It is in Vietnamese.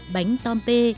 bánh tom tê